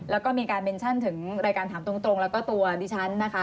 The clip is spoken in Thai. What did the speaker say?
แล้วก็มีการเมนชั่นถึงรายการถามตรงแล้วก็ตัวดิฉันนะคะ